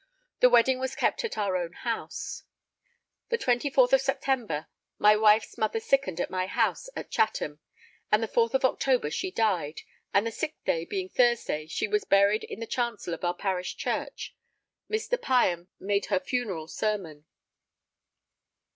The wedding was kept at our own house. The 24th of September my wife's mother sickened at my house [at] Chatham, and the 4th of October she died, and the 6th day, being Thursday, she was buried in the chancel of our parish church: Mr. Pyham made her funeral sermon.